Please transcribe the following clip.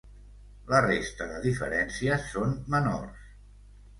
La resta de diferències són menors.